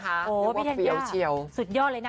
บ้านพี่ธัญญาสุดยอดเลยนะ